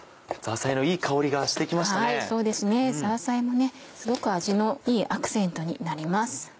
ザーサイもすごく味のいいアクセントになります。